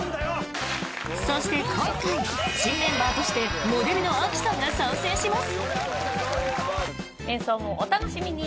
そして今回、新メンバーとしてモデルの亜希さんが参戦します。